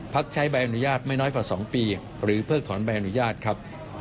ใช้ใบอนุญาตไม่น้อยกว่า๒ปีหรือเพิกถอนใบอนุญาตครับ